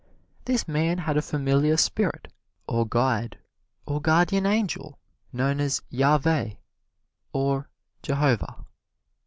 This man had a familiar spirit, or guide, or guardian angel known as Yaveh or Jehovah.